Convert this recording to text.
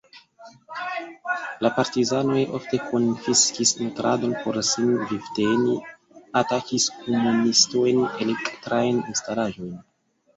La partizanoj ofte konfiskis nutradon por sin vivteni, atakis komunistojn, elektrajn instalaĵojn.